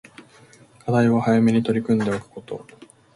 課題は早めに取り組んでおくこと